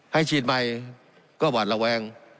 ให้ชีดไมค์ก็หวัดระแวง